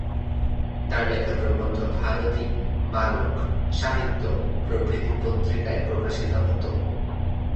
তার লেখা প্রবন্ধ 'ভারতী', 'বালক', 'সাহিত্য' প্রভৃতি পত্রিকায় প্রকাশিত হত।